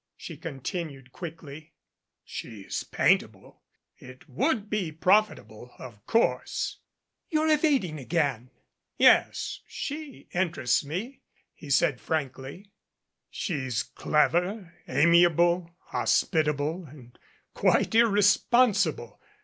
she continued quickly. "She's paintable it would be profitable, of course " "You're evading again." "Yes, she interests me," he said frankly. "She's clever, amiable, hospitable and quite irresponsible.